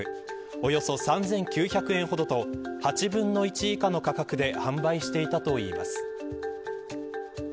およそ３９００円ほどと８分の１以下の価格で販売していたといいます。